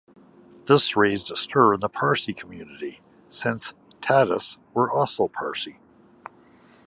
This raised a stir in the Parsi community since the Tatas were also Parsi.